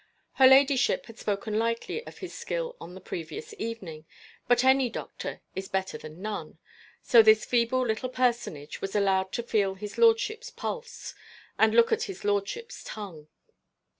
Her ladyship had spoken lightly of his skill on the previous evening, but any doctor is better than none, so this feeble little personage was allowed to feel his lordship's pulse, and look at his lordship's tongue.